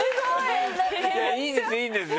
いいんですいいんですよ。